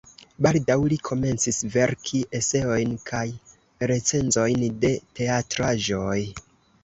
Baldaŭ li komencis verki eseojn kaj recenzojn de teatraĵoj.